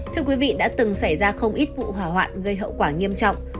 thưa quý vị đã từng xảy ra không ít vụ hỏa hoạn gây hậu quả nghiêm trọng